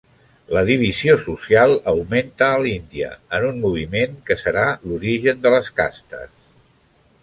La divisió social augmenta a l'Índia, en un moviment que serà l'origen de les castes.